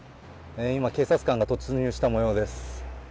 今、警察官が突入した模様です。